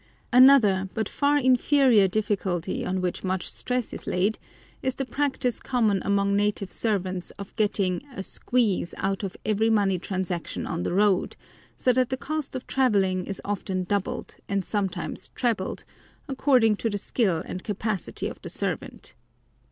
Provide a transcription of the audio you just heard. Another, but far inferior, difficulty on which much stress is laid is the practice common among native servants of getting a "squeeze" out of every money transaction on the road, so that the cost of travelling is often doubled, and sometimes trebled, according to the skill and capacity of the servant.